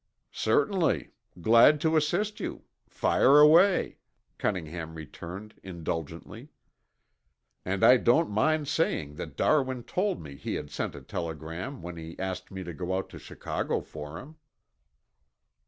"Certainly. Glad to assist you. Fire away," Cunningham returned indulgently. "And I don't mind saying that Darwin told me he had sent a telegram when he asked me to go out to Chicago for him."